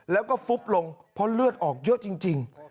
แล้วก็ฟุบลงเพราะเลือดออกเยอะจริง